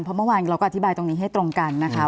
เพราะเมื่อวานเราก็อธิบายตรงนี้ให้ตรงกันนะคะ